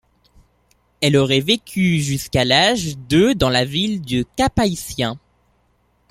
Elle aurait vécu jusqu'à l'âge de dans la ville de Cap-Haïtien.